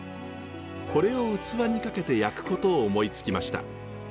これを器にかけて焼くことを思いつきました。